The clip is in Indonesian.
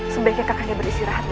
sebaiknya kakanda beristirahat dulu